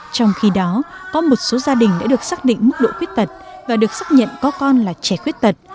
trong khi đó có một số gia đình đã được xác định mức độ khuyết tật và được xác nhận có con là trẻ khuyết tật